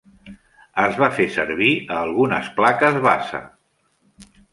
Es va fer servir a algunes plaques base.